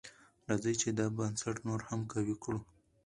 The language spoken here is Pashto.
راځئ چې دا بنسټ نور هم قوي کړو.